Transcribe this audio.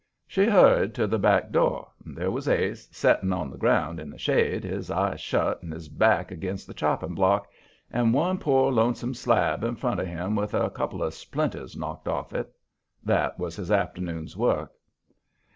She hurried to the back door, and there was Ase, setting on the ground in the shade, his eyes shut and his back against the chopping block, and one poor lonesome slab in front of him with a couple of splinters knocked off it. That was his afternoon's work.